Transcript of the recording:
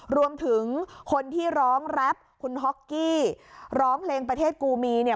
รวมถึงคนที่ร้องแรปคุณฮอกกี้ร้องเพลงประเทศกูมีเนี่ย